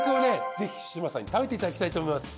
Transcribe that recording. ぜひ志真さんに食べていただきたいと思います。